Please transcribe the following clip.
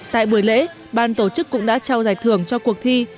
tại buổi lễ ban tổ chức cũng đã trao giải thưởng cho cuộc thi